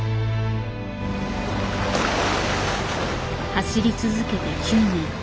走り続けて９年。